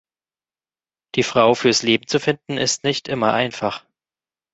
Die Frau fürs Leben zu finden ist nicht immer einfach.